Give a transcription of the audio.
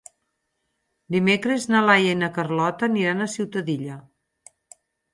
Dimecres na Laia i na Carlota aniran a Ciutadilla.